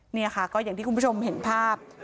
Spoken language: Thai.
นี่ค่ะก็อย่างที่คุณผู้ชมเห็นภาพ